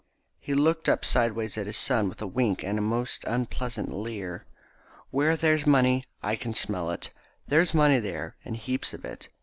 He looked up sideways at his son with a wink and a most unpleasant leer. "Where there's money I can smell it. There's money there, and heaps of it.